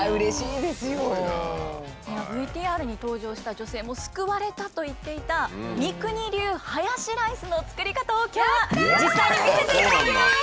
ＶＴＲに登場した女性も「救われた」と言っていた三國流ハヤシライスの作り方を今日は実際に見せていただきます。